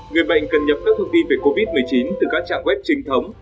ba người bệnh cần nhập các thông tin về covid một mươi chín từ các trạng web trinh thống